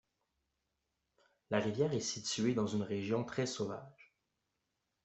La rivière est située dans une région très sauvage.